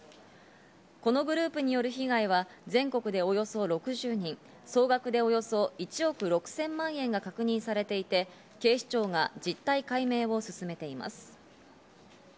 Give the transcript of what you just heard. このグループによる被害は全国でおよそ６０人、総額でおよそ１億６０００万円が確認されていて、警視庁が実態解明を進めています。